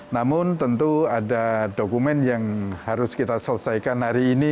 namun tentu ada dokumen yang harus kita selesaikan hari ini